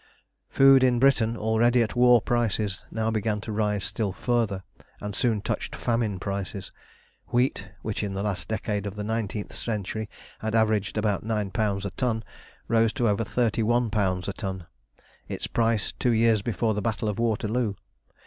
Food in Britain, already at war prices, now began to rise still further, and soon touched famine prices. Wheat, which in the last decade of the nineteenth century had averaged about £9 a ton, rose to over £31 a ton, its price two years before the Battle of Waterloo.